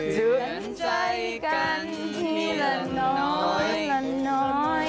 เชื่อนใจกันที่ละน้อยละน้อยละน้อย